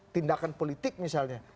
tindakan politik misalnya